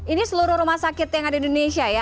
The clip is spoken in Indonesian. ini seluruh rumah sakit yang ada di indonesia ya